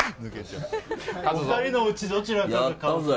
２人のうちどちらかが。